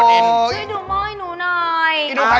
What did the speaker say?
มีความรู้สึกว่า